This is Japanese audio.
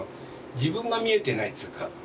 自分が見えてないっつうか。